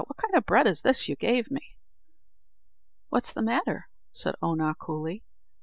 What kind of bread is this you gave me." "What's the matter?" said Oonagh coolly.